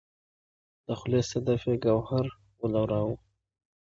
د خولې صدف یې ګوهر ولوراوه